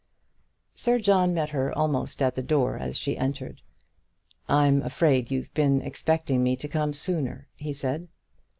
Sir John met her almost at the door as she entered. "I'm afraid you've been expecting me to come sooner," he said.